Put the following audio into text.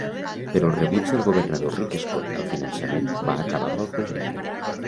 Però, el rebuig del Governador Rick Scott al financament va acabar amb el projecte.